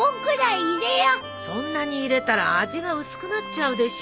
そんなに入れたら味が薄くなっちゃうでしょ。